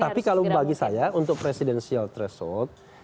tapi kalau bagi saya untuk presidensial threshold